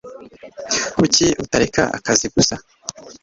Kuki utareka akazi gusa?